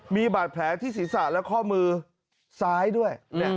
มีบาดแผลที่ศีรษะและข้อมือซ้ายด้วย